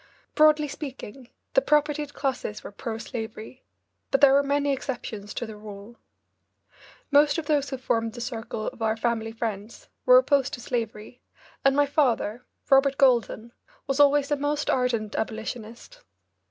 Broadly speaking, the propertied classes were pro slavery, but there were many exceptions to the rule. Most of those who formed the circle of our family friends were opposed to slavery, and my father, Robert Goulden, was always a most ardent abolitionist.